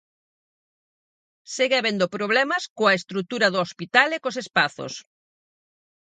Segue habendo problemas coa estrutura do hospital e cos espazos.